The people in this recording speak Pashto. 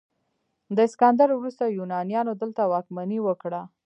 د اسکندر وروسته یونانیانو دلته واکمني وکړه